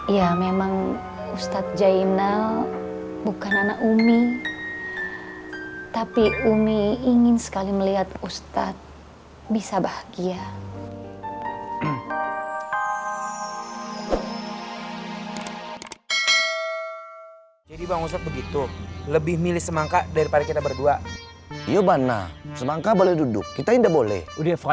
ya memang ustaz jainal bukan anak umi tapi umi ingin sekali melihat ustaz bisa bahagia